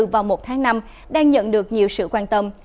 vào một tháng năm đang nhận được nhiều sự quan tâm